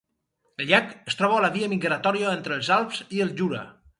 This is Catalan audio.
El llac es troba a la via migratòria entre els Alps i el Jura.